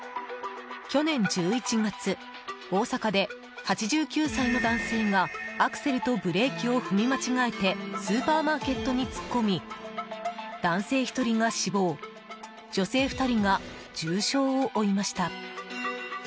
去年１１月大阪で８９歳の男性がアクセルとブレーキを踏み間違えてスーパーマーケットに突っ込み男性１人が死亡女性２人が重傷を負いました。